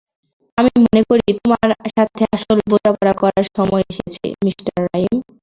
আমি মনে করি তোমার সাথে আসল বোঝাপড়া করার সময় এসেছে, মিঃ রাইম।